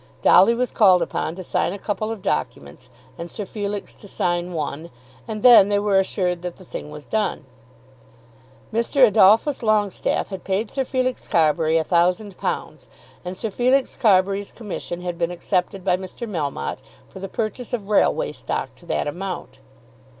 Dolly was called upon to sign a couple of documents, and Sir Felix to sign one, and then they were assured that the thing was done. Mr. Adolphus Longestaffe had paid Sir Felix Carbury a thousand pounds, and Sir Felix Carbury's commission had been accepted by Mr. Melmotte for the purchase of railway stock to that amount.